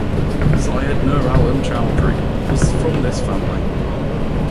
Syed Nur Alam Chowdhury was from this family.